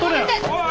おい